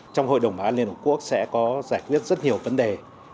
trong hội đồng bảo an liên hợp quốc sẽ có giải quyết rất nhiều vấn đề